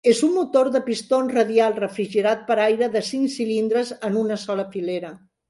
És un motor de pistons radial refrigerat per aire de cinc cilindres en una sola filera.